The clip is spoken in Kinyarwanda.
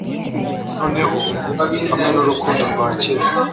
noneho, hamwe nurukundo rwa kera